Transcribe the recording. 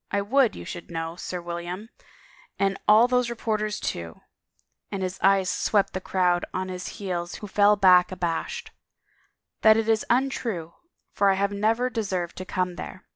... I would you should know, Sir William, and all those reporters, too," and his eyes swept the crowd 210 A FAREWELL TO GREATNESS on his heels who fell back abashed, " that it is untrue, for I have never deserved to come there."